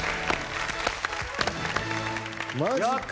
マジか。